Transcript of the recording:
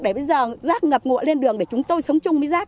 để bây giờ rác ngập ngụa lên đường để chúng tôi sống chung với rác